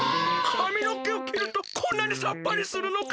かみのけをきるとこんなにサッパリするのか！